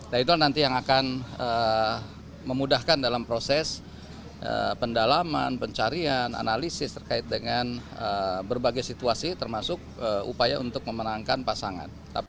dan itu nanti yang akan memudahkan dalam proses pendalaman pencarian analisis terkait dengan berbagai situasi termasuk upaya untuk memenangkan pasangan